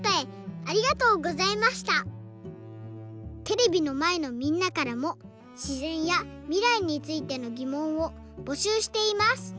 テレビのまえのみんなからもしぜんやみらいについてのぎもんをぼしゅうしています！